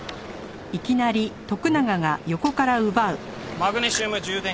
マグネシウム充電器。